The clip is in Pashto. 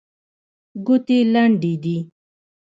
ګوتې لنډې دي.